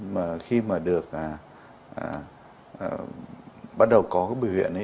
mà khi mà được bắt đầu có bệnh viện